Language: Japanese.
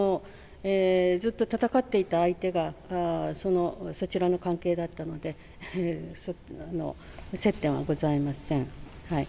ずっと戦っていた相手が、そちらの関係だったので、接点はございません。